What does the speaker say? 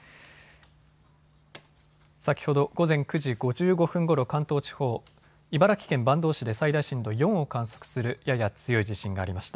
先ほど午前９時５５分ごろ関東地方、茨城県坂東市で最大震度４を観測するやや強い地震がありました。